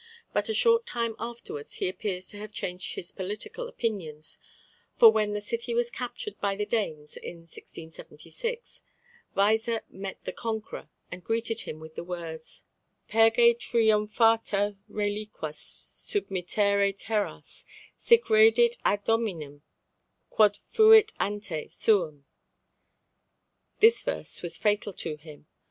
But a short time afterwards he appears to have changed his political opinions, for when the city was captured by the Danes in 1676, Weiser met the conqueror, and greeted him with the words: Perge Triumphator reliquas submittere terras, Sic redit ad Dominum, quod fuit ante, suum. This verse was fatal to him.